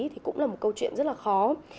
thì cũng là một câu chuyện rất là khó